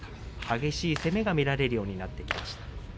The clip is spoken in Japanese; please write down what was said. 激しい攻めが見られるようになってきました。